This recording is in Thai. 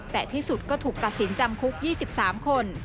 แต่ที่สุดก็ถูกตัดสินจำคุก๒๓คน